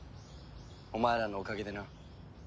お前らのおかげでな。